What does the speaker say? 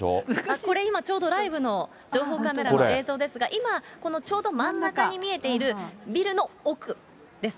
これ今、ちょうどライブの情報カメラの映像ですが、今、このちょうど真ん中に見えているビルの奥ですね。